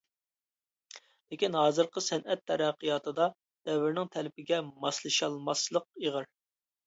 لېكىن ھازىرقى سەنئەت تەرەققىياتىدا دەۋرنىڭ تەلىپىگە ماسلىشالماسلىق ئېغىر.